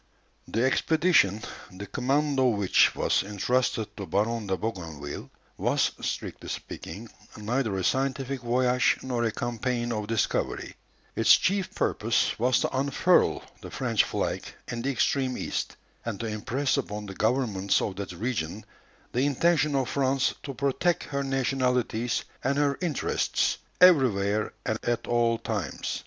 The expedition, the command of which was entrusted to Baron de Bougainville, was, strictly speaking, neither a scientific voyage nor a campaign of discovery. Its chief purpose was to unfurl the French flag in the extreme East, and to impress upon the governments of that region the intention of France to protect her nationalities and her interests, everywhere and at all times.